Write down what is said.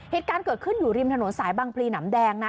เหตุการณ์เกิดขึ้นอยู่ริมถนนสายบางพลีหนำแดงนะ